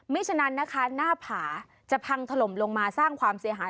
ฉะนั้นนะคะหน้าผาจะพังถล่มลงมาสร้างความเสียหาย